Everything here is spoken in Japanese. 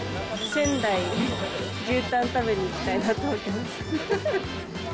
仙台に牛タン食べに行きたいなと思います。